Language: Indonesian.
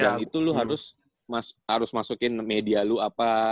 yang itu lu harus masukin media lu apa